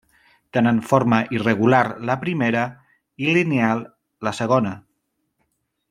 Tenen forma irregular la primera i lineal la segona.